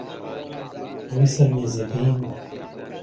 ئەوەی سەر مێزەکە هی منە.